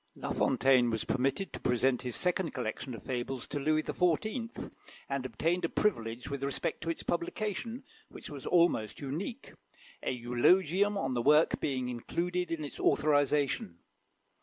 La Fontaine was permitted to present his second collection of fables to Louis XIV., and obtained a privilege with respect to its publication which was almost unique; a eulogium on the work being included in its authorisation.